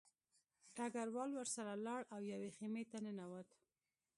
ډګروال ورسره لاړ او یوې خیمې ته ننوت